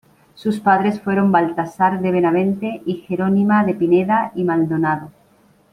Sus padres fueron Baltasar de Benavente y Jerónima de Pineda y Maldonado.